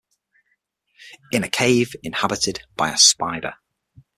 In a cave inhabited by a spider.